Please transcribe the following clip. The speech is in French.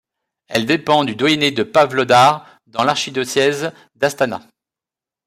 Elle dépend du doyenné de Pavlodar dans l'archidiocèse d'Astana.